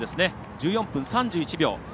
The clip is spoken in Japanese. １４分３１秒。